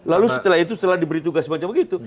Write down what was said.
lalu setelah itu setelah diberi tugas macam begitu